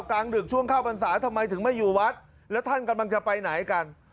กลางดึกช่วงเข้าพรรษาทำไมถึงไม่อยู่วัดแล้วท่านกำลังจะไปไหนกัน